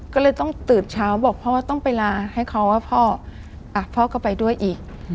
ก็เลยต้องตื่นเช้าบอกพ่อต้องไปลาให้เขาว่าพ่อพ่อก็ไปด้วยอีก